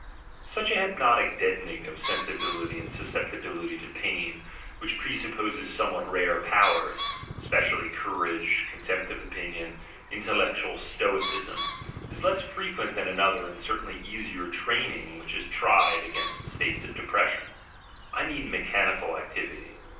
Such a hypnotic deadening of sensibility and suscep 144 THE GENEALOGY OF MORALS tibility to pain, which presupposes somewhat rare powers, especially courage, contempt of opinion, intellectual stoicism, is less frequent than another and certainly easier framing which is tried against states of depression. I mean mechancal activity.